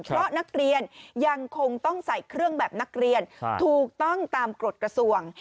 เพราะนักเรียนยังคงต้องใส่เครื่องแบบนักเรียนถูกต้องตามกฎกระทรวง